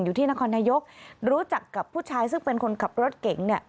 อยู่ที่นครนายกรู้จักกับผู้ชายซึ่งเป็นคนขับรถเก๋งเนี่ย